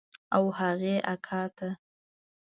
او هغې اکا ته.